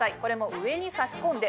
上に差し込んで。